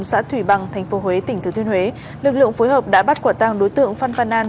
xã thủy bằng tp huế tỉnh thứ thiên huế lực lượng phối hợp đã bắt quả tăng đối tượng phan văn an